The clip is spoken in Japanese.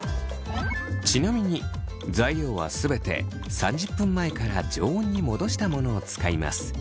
ちなみに材料は全て３０分前から常温に戻したものを使います。